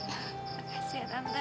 makasih ya tante